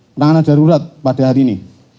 penanganan darurat pada hari ini